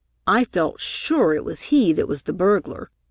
I felt sure it was he that was the burglar.